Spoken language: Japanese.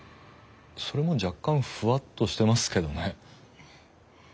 それも若干ふわっとしてますけどね。